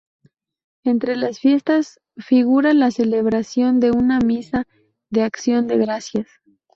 Entre las fiestas figura la celebración de una misa de acción de gracias.